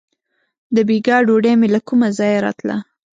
• د بېګا ډوډۍ مې له کومه ځایه راتله.